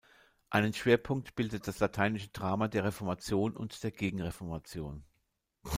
Einen Schwerpunkt bildet das lateinische Drama der Reformation und der Gegenreformation.